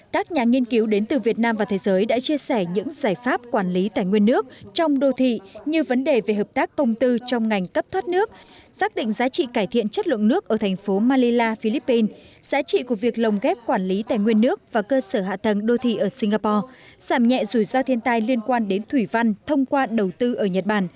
các nhà nghiên cứu đến từ việt nam và thế giới đã chia sẻ những giải pháp quản lý tài nguyên nước trong đô thị như vấn đề về hợp tác công tư trong ngành cấp thoát nước giác định giá trị cải thiện chất lượng nước ở thành phố manila philippines giá trị của việc lồng ghép quản lý tài nguyên nước và cơ sở hạ tầng đô thị ở singapore giảm nhẹ rủi ro thiên tai liên quan đến thủy văn thông qua đầu tư ở nhật bản